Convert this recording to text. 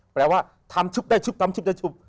แปลว่าทำชุบได้ชุบทำชุบได้ชุบ